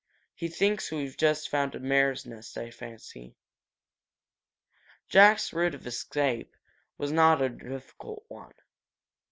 He thinks we've just found a mare's nest, I fancy." Jack's route of escape was not a difficult one.